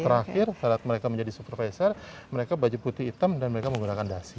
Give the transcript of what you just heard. terakhir saat mereka menjadi supervisor mereka baju putih hitam dan mereka menggunakan dasi